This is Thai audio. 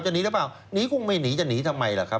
หนีหรือเปล่าหนีคงไม่หนีจะหนีทำไมล่ะครับ